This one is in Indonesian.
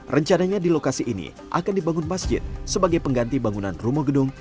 rencananya di lokasi ini akan dibangun masjid sebagai pengganti bangunan rumah gedung